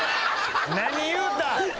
何言うた？